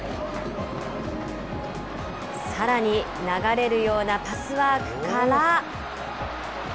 さらに流れるようなパスワークから。